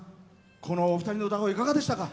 このお二人の歌声いかがでしたか？